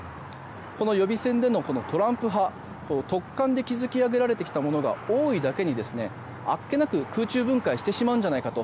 この予備選でのトランプ派突貫で築き上げられてきたものが多いだけにあっけなく空中分解してしまうんではないかと。